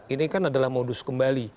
ini kan adalah modus kembali